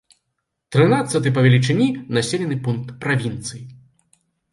Трынаццаты па велічыні населены пункт правінцыі.